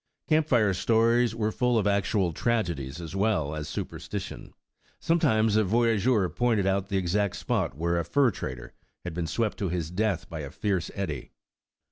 Camp fire stories were full of actual tragedies as well as superstition. Sometimes a voyageur pointed out the exact spot where a fur trader had been swept to his death by a fierce eddy.